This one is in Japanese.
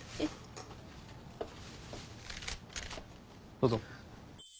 どうぞ。